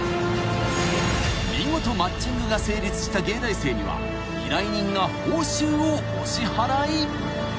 ［見事マッチングが成立した藝大生には依頼人が報酬をお支払い］